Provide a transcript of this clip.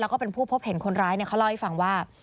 แล้วก็เป็นผู้พบเห็นคนร้ายเขาเล่าให้ฟังว่า